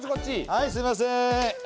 はいすみません。